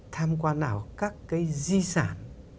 tham quan đảo các cái di sản